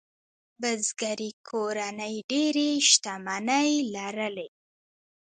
بزګري کورنۍ ډېرې شتمنۍ لرلې.